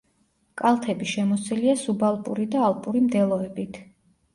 კალთები შემოსილია სუბალპური და ალპური მდელოებით.